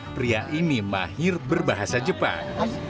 pria ini mahir berbahasa jepang